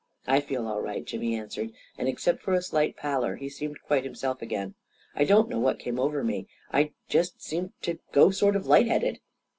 " I feel all right," Jimmy answered, and, except for a slight pallor, he seemed quite himself again. " I don't know what came over me — I just seemed to go sort of light headed."